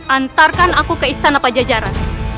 antarkan aku ke istana pajajaran